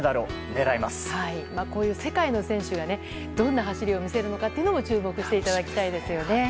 世界の選手がどんな走りを見せるのかにも注目していただきたいですよね。